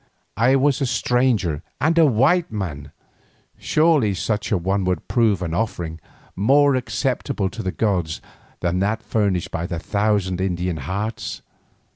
I was a stranger and a white man, surely such a one would prove an offering more acceptable to the gods than that furnished by a thousand Indian hearts.